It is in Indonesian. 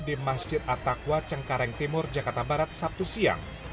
di masjid atakwa cengkareng timur jakarta barat sabtu siang